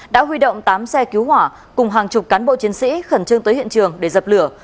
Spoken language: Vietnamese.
đã huy động tám xe cứu hỏa cùng hàng chục cán bộ chiến sĩ khẩn trương tới hiện trường để dập lửa